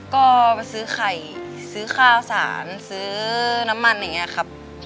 ก็ไปซื้อไข่ซื้อข้าวสารซื้อน้ำมันอย่างนี้ครับ